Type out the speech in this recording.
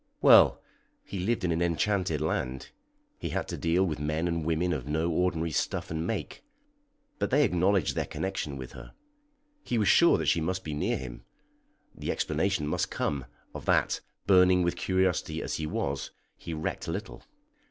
Well, he lived in an enchanted land; he had to deal with men and women of no ordinary stuff and make, but they acknowledged their connection with her. He was sure that she must be near him. The explanation must come of that, burning with curiosity as he was, he recked little.